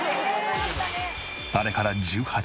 あれから１８年